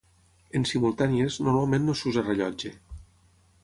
En simultànies, normalment no s’usa rellotge.